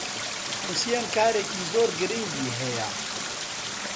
حوسێن کارێکی زۆر گرنگی ھەیە.